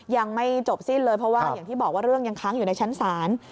ยังไม่จบสิ้นเลยเพราะว่าอย่างที่บอกว่าเรื่องยังค้างอยู่ในชั้นศาล